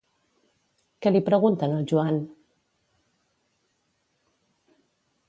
Què li pregunten al Joan?